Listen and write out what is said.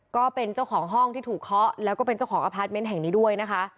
ก็เป็นเจ้าของห้องที่ถูกเคาะแล้วก็เป็นเจ้าของอพาร์ทเมนต์แห่งนี้ด้วยนะคะ